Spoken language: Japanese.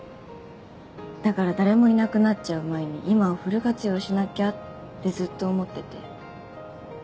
だから誰もいなくなっちゃう前に今をフル活用しなきゃってずっと思ってて。